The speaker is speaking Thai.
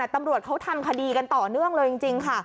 ตำรวจเขาทำคดีกันต่อเนื่องเลยจริงค่ะ